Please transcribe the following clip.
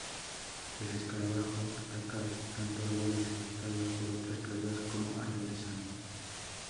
El escarabajo ataca tanto árboles afectados por otras plagas como árboles sanos.